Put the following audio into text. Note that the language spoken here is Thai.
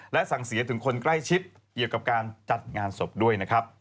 และสั่งเสียถึงคนใกล้ชิดเกี่ยวกับการจัดงานศพด้วยนะครับ